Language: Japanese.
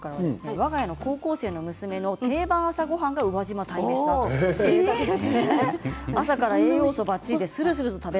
わが家の娘の定番の朝ごはんが宇和島の鯛めしだということです。